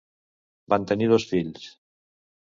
Van tenir dos fills.